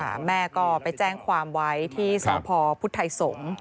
ใช่ค่ะแม่ก็ไปแจ้งความไว้ที่สมพพุทธัยสม